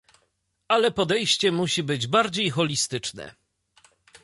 Ale podejście musi być bardziej holistyczne